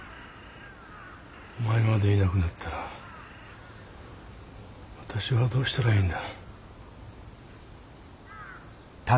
お前までいなくなったら私はどうしたらいいんだ。